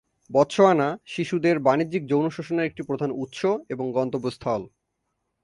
Botswana শিশুদের বাণিজ্যিক যৌন শোষণের একটি প্রধান উৎস এবং গন্তব্যস্থল।